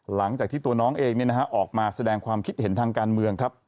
หลังจากที่ตัวน้องเองออกมาแสดงความคิดเห็นทางการเมืองครับ